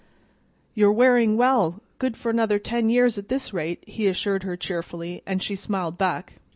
"You're wearing well; good for another ten years at this rate," he assured her cheerfully, and she smiled back.